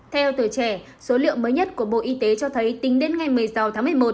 theo tuổi trẻ số liệu mới nhất của bộ y tế cho thấy tính đến ngày một mươi sáu tháng một mươi một